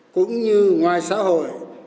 cũng như ngoài xã hội các đảng bộ quân đội